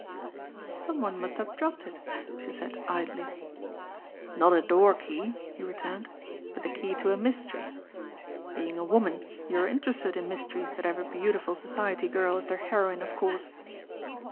"Someone must have dropped it," she said idly. "Not a door key," he returned, "but the key to a mystery. Being a woman you are interested in mysteries that have a beautiful society girl as their heroine of course?"